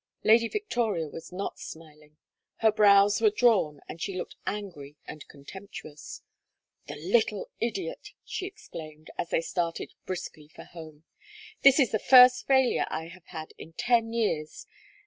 Lady Victoria was not smiling. Her brows were drawn, and she looked angry and contemptuous. "The little idiot!" she exclaimed, as they started briskly for home. "This is the first failure I have had in ten years.